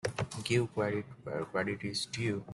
Give credit where credit is due.